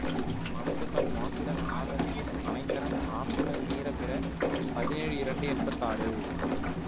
மனத்துக்கண் மாசிலன் ஆதல் அனைத்தறன் ஆகுல நீர பிற பதினேழு இரண்டு எண்பத்தாறு.